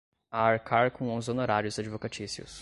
a arcar com os honorários advocatícios